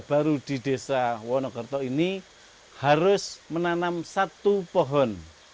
baru di desa wonogerto ini harus menanam satu pohon